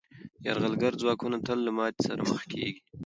یرغلګر ځواکونه تل له ماتې سره مخ کېږي.